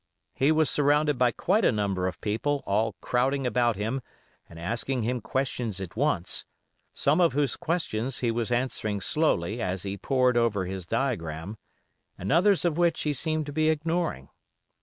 He was surrounded by quite a number of people all crowding about him and asking him questions at once, some of whose questions he was answering slowly as he pored over his diagram, and others of which he seemed to be ignoring.